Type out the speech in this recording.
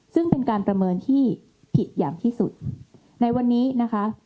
ซึ่งเป็นการประเมินที่ผิดอย่างที่สุดในวันนี้นะคะ